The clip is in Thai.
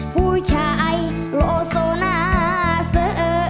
ผู้ชายโลโสนาเสอ